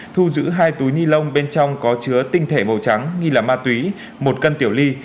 thu giữ hai túi ni lông bên trong có chứa tinh thể màu trắng nghi là ma túy một cân tiểu ly